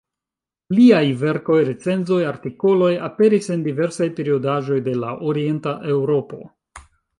Liaj verkoj, recenzoj, artikoloj aperis en diversaj periodaĵoj de la Orienta Eŭropo.